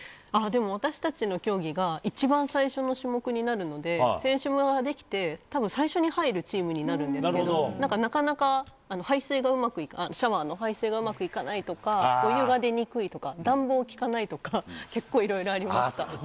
でも、私たちの競技が一番最初の種目になるので、選手村が出来て、たぶん最初に入るチームになるんですけど、なんかなかなか、排水がうまく、シャワーの排水がうまくいかないとか、お湯が出にくいとか、暖房が効かないとか、結構いろいろありました。